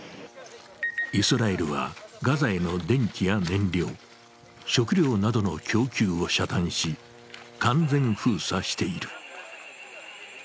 イスラエルはガザへの電気や燃料、食料などの供給を遮断し完全封鎖している。